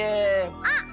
あっ！